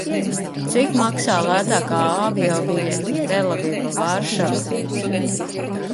Cik maksā lētākā aviobiļete Telaviva - Varšava?